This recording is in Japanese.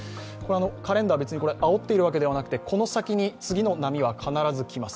カレンダー、別にあおっているわけではなくて、この先に次の波は必ずきます。